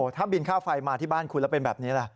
ถ้าบินค่าไฟมาที่บ้านคุณแล้วเป็นแบบนี้ล่ะ